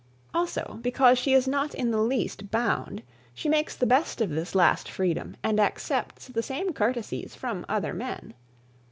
Also, because she is not in the least bound, she makes the best of this last freedom and accepts the same courtesies from other men.